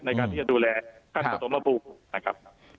ในการที่จะดูแลท่านสมบัติภูมินะครับ